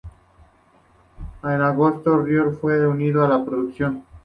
En agosto, Lior Raz se unió a la producción.